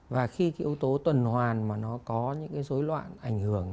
và khi cái yếu tố tuần hoàn mà nó có những cái dối loạn ảnh hưởng